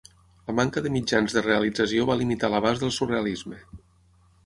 La manca de mitjans de realització va limitar l'abast del surrealisme.